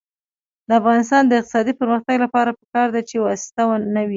د افغانستان د اقتصادي پرمختګ لپاره پکار ده چې واسطه نه وي.